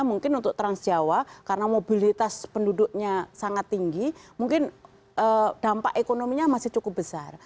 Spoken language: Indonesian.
mungkin untuk transjawa karena mobilitas penduduknya sangat tinggi mungkin dampak ekonominya masih cukup besar